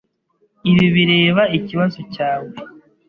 Ibi bireba ikibazo cyawe.